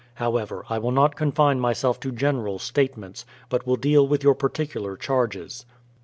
However, I will not confine m3 self to general statements, but will deal with your particular charges.